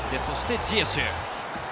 そしてジエシュ。